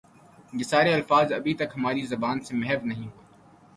یہ سارے الفاظ ابھی تک ہماری زبان سے محو نہیں ہوئے